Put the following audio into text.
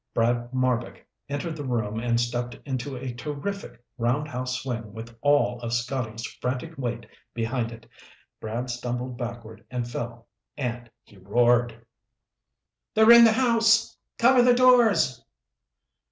Brad Marbek entered the room and stepped into a terrific roundhouse swing with all of Scotty's frantic weight behind it. Brad stumbled backward and fell, and he roared. "They're in the house! Cover the doors!"